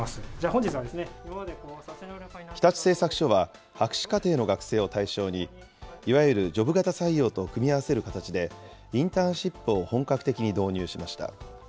日立製作所は博士課程の学生を対象に、いわゆるジョブ型採用と組み合わせる形で、インターンシップを本格的に導入しました。